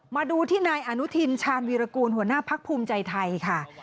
มาดูที่นายอนุทินชาญวีรกูลหัวหน้าพักภูมิใจไทยค่ะ